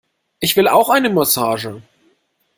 Ich will auch eine Massage!